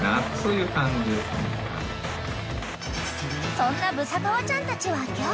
［そんなブサカワちゃんたちは今日］